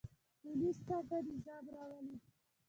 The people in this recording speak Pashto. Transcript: پولیس څنګه نظم راولي؟